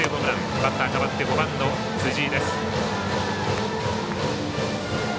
バッター、変わって５番の辻井。